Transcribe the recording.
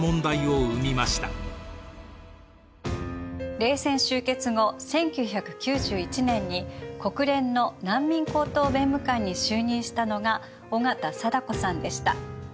冷戦終結後１９９１年に国連の難民高等弁務官に就任したのが緒方貞子さんでした。